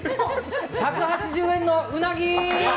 １８０円のうなぎ！